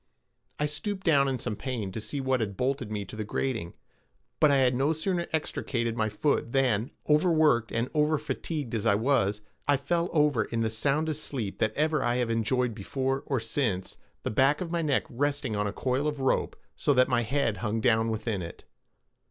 I stooped down in some pain, to see what had bolted me to the grating; but I had no sooner extricated my foot than, overworked and overfatigued as I was, I fell over in the soundest sleep that ever I have enjoyed before or since, the back of my neck resting on a coil of rope, so that my head hung down within it.